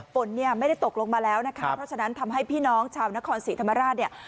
ฝนเนี่ยไม่ได้ตกลงมาแล้วนะคะเพราะฉะนั้นทำให้พี่น้องชาวนครศรีธรรมราชเนี่ย